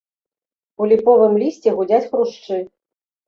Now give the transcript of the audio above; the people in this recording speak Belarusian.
У ліповым лісці гудзяць хрушчы.